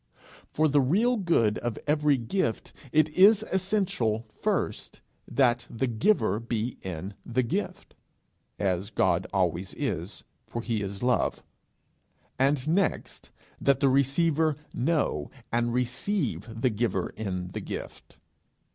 For the real good of every gift it is essential, first, that the giver be in the gift as God always is, for he is love and next, that the receiver know and receive the giver in the gift.